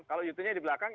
kalau yutennya di belakang